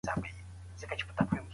موږ باید د یو بل حقوق رعایت کړو.